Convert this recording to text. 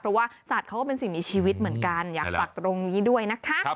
เพราะว่าสัตว์เขาก็เป็นสิ่งมีชีวิตเหมือนกันอยากฝากตรงนี้ด้วยนะคะ